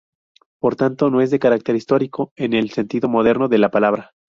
Por tanto no es de carácter histórico, en el sentido moderno de la palabra.